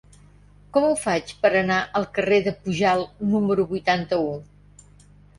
Com ho faig per anar al carrer de Pujalt número vuitanta-u?